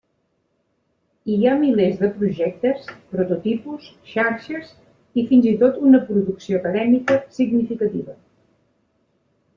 Hi ha milers de projectes, prototipus, xarxes i fins i tot una producció acadèmica significativa.